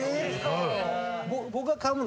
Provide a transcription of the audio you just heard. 僕が買う物